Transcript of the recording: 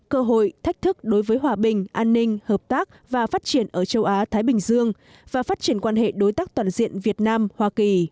cơ hội thách thức đối với hòa bình an ninh hợp tác và phát triển ở châu á thái bình dương và phát triển quan hệ đối tác toàn diện việt nam hoa kỳ